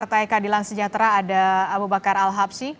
partai keadilan sejahtera ada abu bakar al habsi